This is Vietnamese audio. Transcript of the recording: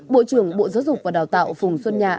bộ trưởng bộ giáo dục và đào tạo phùng xuân nhạ